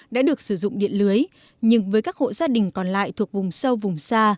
đã được sử dụng điện lưới nhưng với các hộ gia đình còn lại thuộc vùng sâu vùng xa